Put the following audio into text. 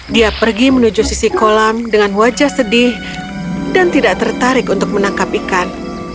dia pergi menuju sisi kolam dengan wajah sedih dan tidak tertarik untuk menangkap ikan